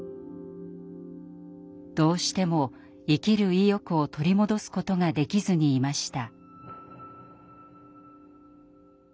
どうしても生きる意欲を取り戻すことができずにいました。